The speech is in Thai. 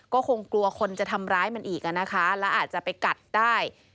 ก็คงกลัวคนจะทำร้ายมันอีกอ่ะนะคะแล้วอาจจะไปกัดได้